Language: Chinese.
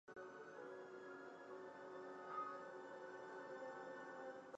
现在所见的广州话拼音方案就是经饶秉才修订后的版本。